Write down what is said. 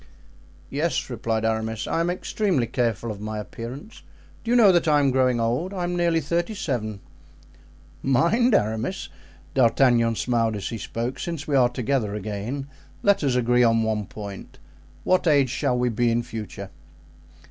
"Yes," replied Aramis, "I am extremely careful of my appearance. Do you know that I am growing old? I am nearly thirty seven." "Mind, Aramis"—D'Artagnan smiled as he spoke—"since we are together again, let us agree on one point: what age shall we be in future?"